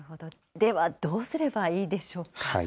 ではどうすればいいでしょうか。